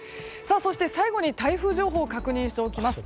そして最後に台風情報を確認しておきます。